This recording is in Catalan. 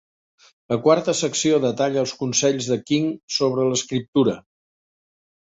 La quarta secció detalla els consells de King sobre l'escriptura.